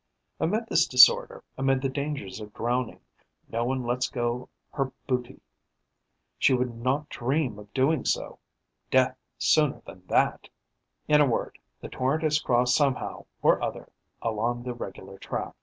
Amid this disorder, amid the dangers of drowning, not one lets go her booty. She would not dream of doing so: death sooner than that! In a word, the torrent is crossed somehow or other along the regular track.